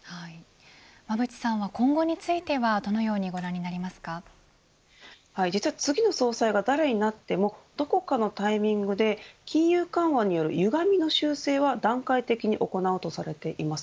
馬渕さんは今後については実は次の総裁が誰になってもどこかのタイミングで金融緩和によるゆがみの修正は段階的に行うとされています。